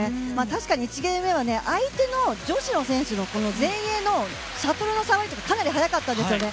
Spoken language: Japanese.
確かに１ゲーム目は相手の女子の選手の前衛のシャトルさばきがかなり速かったですよね。